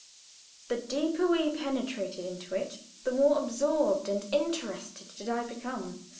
The deeper we penetrated into it, the more absorbed and interested did I become.